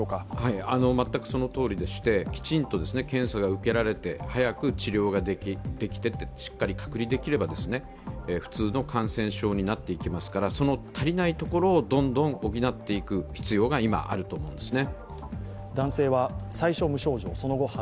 全くそのとおりでして、きちんと検査が受けられて、早く治療ができて、しっかり隔離できれば、普通の感染症になっていきますからその足りないところをどんどん補っていく必要が今あると思うんですね。